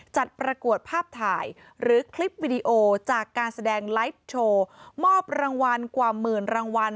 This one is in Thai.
ประกวดภาพถ่ายหรือคลิปวิดีโอจากการแสดงไลฟ์โชว์มอบรางวัลกว่าหมื่นรางวัล